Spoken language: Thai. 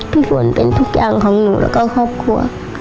ฝนเป็นทุกอย่างของหนูแล้วก็ครอบครัว